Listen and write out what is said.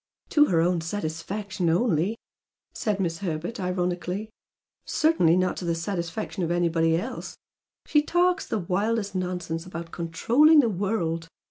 "To her own satisfaction only" said Miss Herbert, ironically, "Certainly not to the satisfaction of anybody else! She talks the wildest nonsense about controlling the world!